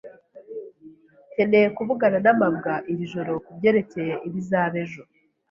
Nkeneye kuvugana na mabwa iri joro kubyerekeye ibizaba ejo.